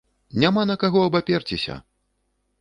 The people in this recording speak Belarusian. Няма на каго абаперціся!